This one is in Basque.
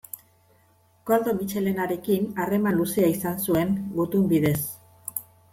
Koldo Mitxelenarekin harreman luzea izan zuen gutun bidez.